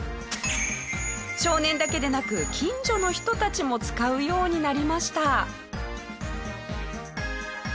少年だけでなく近所の人たちも使うようになりました。